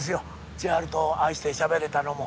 千春とああしてしゃべれたのも。